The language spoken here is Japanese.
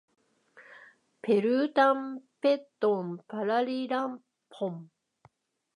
ペルータンペットンパラリラポン